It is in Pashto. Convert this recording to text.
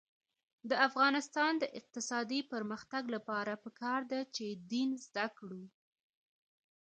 د افغانستان د اقتصادي پرمختګ لپاره پکار ده چې دین زده کړو.